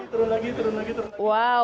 terun lagi turun lagi turun lagi